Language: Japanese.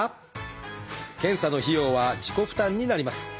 検査の費用は自己負担になります。